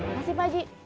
masih pak haji